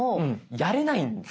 やれないんですよ。